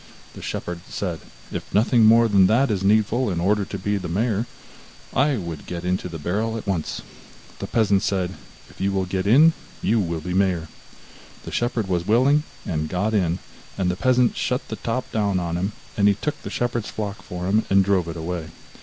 The shepherd said: 'If nothing more than that is needful in order to be mayor, I would get into the barrel at once.' The peasant said: 'If you will get in, you will be mayor.' The shepherd was willing, and got in, and the peasant shut the top down on him; then he took the shepherd's flock for himself, and drove it away.